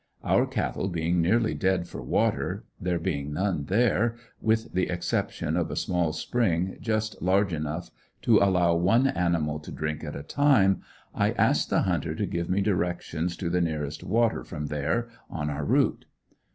Our cattle being nearly dead for water, there being none there, with the exception of a small spring, just large enough to allow one animal to drink at a time, I asked the hunter to give me directions to the nearest water from there, on our route.